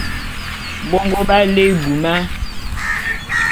Bongo b'á lé ebuma.